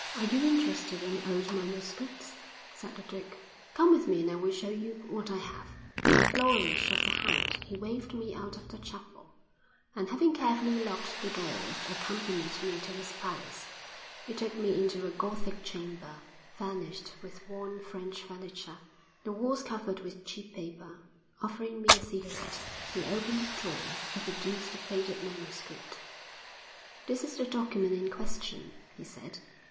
'Are you interested in old manuscripts?' said the duke. 'Come with me and I will show you what I have.' With a flourish of the hand he waved me out of the chapel, and, having carefully locked the doors, accompanied me to his palace. He took me into a Gothic chamber, furnished with worn French furniture, the walls covered with cheap paper. Offering me a cigarette, he opened a drawer and produced a faded manuscript. 'This is the document in question,' he said.